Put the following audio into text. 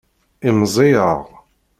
Imẓiyeɣ.